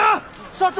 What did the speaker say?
社長！